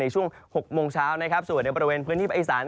ช่วง๖โมงเช้านะครับส่วนในบริเวณพื้นที่ภาคอีสาน